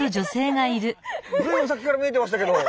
随分さっきから見えてましたけど。